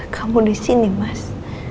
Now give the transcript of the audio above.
kamu di sini mas